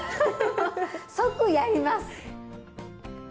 即やります！